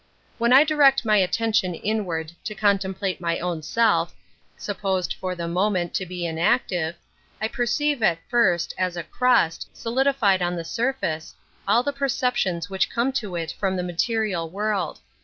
When I direct my attention inward to contemplate my own self (supposed for the / J » 10 An Introduction to moment to be inactive), I perceive at first, a» a crust solidified on the surface, all the perceptions which come to it from the material world.